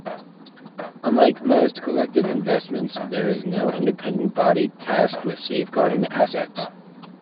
Unlike most collective investments there is no independent body tasked with safeguarding the assets.